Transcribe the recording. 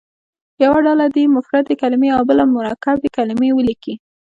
یوه ډله دې مفردې کلمې او بله مرکبې کلمې ولیکي.